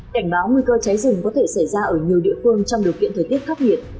cảnh báo nguy cơ cháy rừng có thể xảy ra ở nhiều địa phương trong điều kiện thời tiết khắc nghiệt